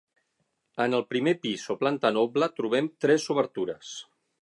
En el primer pis o planta noble trobem tres obertures.